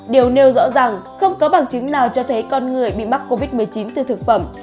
điều nêu rõ rằng không có bằng chứng nào cho thấy con người bị mắc covid một mươi chín từ thực phẩm